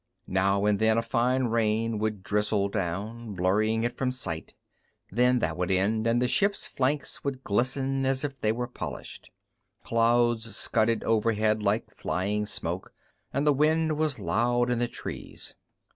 Now and then a fine rain would drizzle down, blurring it from sight; then that would end, and the ship's flanks would glisten as if they were polished. Clouds scudded overhead like flying smoke, and the wind was loud in the trees.